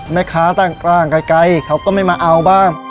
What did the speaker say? แม่ค้าตั้งกลางไกลเขาก็ไม่มาเอาบ้าง